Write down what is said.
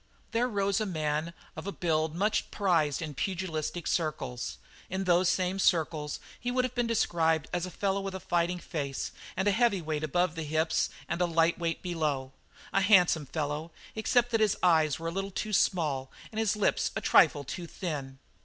There rose a man of a build much prized in pugilistic circles. In those same circles he would have been described as a fellow with a fighting face and a heavy weight above the hips and a light weight below a handsome fellow, except that his eyes were a little too small and his lips a trifle too thin.